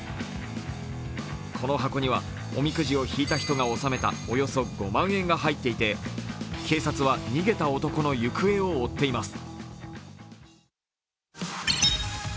この箱には、おみくじをひいた人が納めたおよそ５万円が入っていて、警察は逃げた男の行方を追っています。